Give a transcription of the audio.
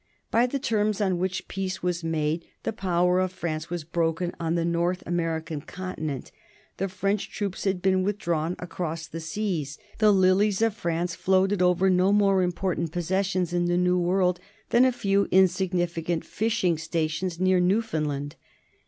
By the terms on which peace was made the power of France was broken on the North American continent. The French troops had been withdrawn across the seas. The Lilies of France floated over no more important possessions in the new world than a few insignificant fishing stations near Newfoundland.